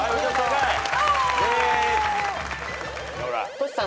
トシさん